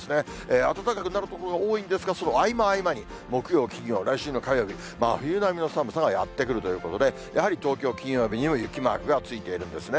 暖かくなる所が多いんですが、その合間合間に、木曜、金曜、来週の火曜日、真冬並みの寒さがやって来るということで、やはり東京、金曜日に雪マークがついているんですね。